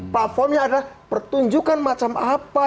platformnya adalah pertunjukan macam apa yang harus kita sampaikan